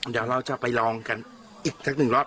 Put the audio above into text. เดี๋ยวเราจะไปลองกันอีกสักหนึ่งรอบ